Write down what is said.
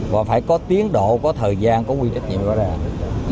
và phải có tiến độ có thời gian có quy trách nhiệm rõ ràng